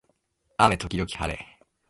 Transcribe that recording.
雨時々はれ